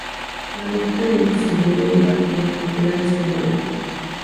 La música de Luxemburgo y el patrimonio cultural es germano.